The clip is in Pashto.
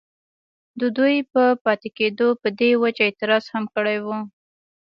ددوي پۀ پاتې کيدو پۀ دې وجه اعتراض هم کړی وو،